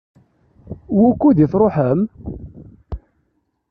Wukud i tṛuḥem?